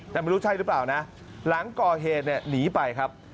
แต่ไม่รู้ใช่หรือเปล่านะหลังก่อเหตุเนี่ยหนีไปครับ